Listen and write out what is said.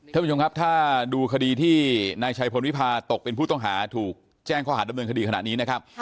ท่านผู้ชมครับถ้าดูคดีที่นายชัยพลวิพาตกเป็นผู้ต้องหาถูกแจ้งข้อหาดำเนินคดีขณะนี้นะครับ